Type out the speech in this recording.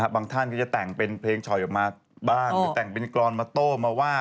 ท่านก็จะแต่งเป็นเพลงฉ่อยออกมาบ้างหรือแต่งเป็นกรอนมาโต้มาว่า